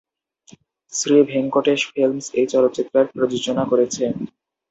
Shri Venkatesh films এই চলচ্চিত্রের প্রযোজনা করেছে।